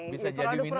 bisa jadi minuman